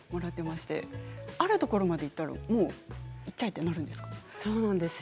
あるところまでいったらいっちゃえということになるんですか。